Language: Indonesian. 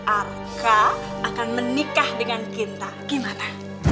arka akan menikah dengan kita gimana